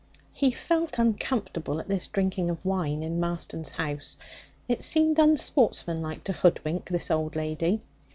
He felt uncomfortable at this drinking of wine in Marston's house. It seemed unsportsmanlike to hoodwink this old lady.